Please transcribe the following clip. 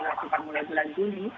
karena dilakukan mulai bulan juni